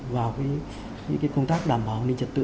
vào công tác đảm bảo an ninh trật tự